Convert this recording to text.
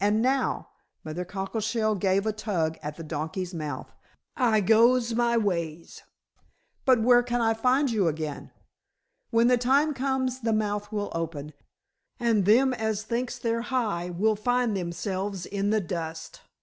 And now," Mother Cockleshell gave a tug at the donkey's mouth, "I goes my ways." "But where can I find you again?" "When the time comes the mouth will open, and them as thinks they're high will find themselves in the dust.